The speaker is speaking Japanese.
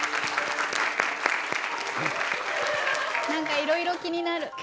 何かいろいろ気になる。